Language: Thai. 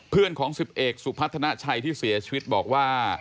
เพื่อนของ๑๐เอกสุพัฒนาชัยที่เสียชีวิตบอกว่า